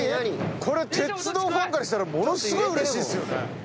これ鉄道ファンからしたらものすごいうれしいっすよね。